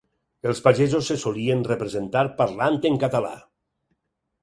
Els pagesos se solien representar parlant en català.